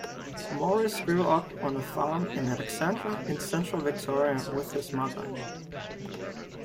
Morris grew up on a farm in Alexandra in central Victoria with his mother.